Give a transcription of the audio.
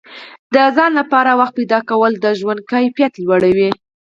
د ځان لپاره وخت پیدا کول د ژوند کیفیت لوړوي.